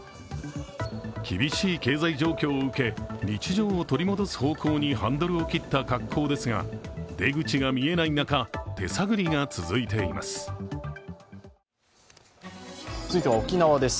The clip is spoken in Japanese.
厳しい経済状況を受け、日常を取り戻す方向にハンドルを切った格好ですが出口が見えない中、手探りが続いています。